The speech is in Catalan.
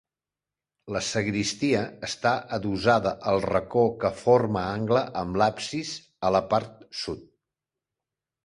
La sagristia està adossada al racó que forma angle amb l'absis a la part sud.